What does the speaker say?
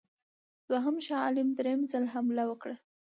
دوهم شاه عالم درېم ځل حمله وکړه.